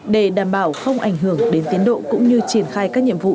để đảm bảo không ảnh hưởng đến tiến độ cũng như triển khai các nhiệm vụ